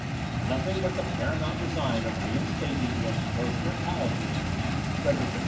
Nothing but the paramount design of reinstating the unfortunate Palatine, Frederick V.